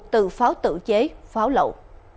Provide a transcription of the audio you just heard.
từ pháo tự chế pháo lậu